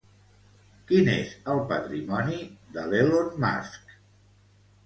Quin és el patrimoni de l'Elon Musk?